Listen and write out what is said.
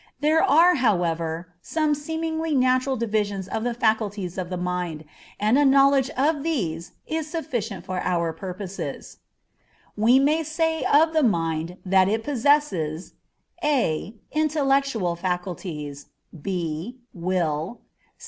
There are, however, some seemingly natural divisions of the faculties of the mind, and a knowledge of these is sufficient for our purposes. We may say of the mind that it possesses: a. Intellectual faculties. b. Will.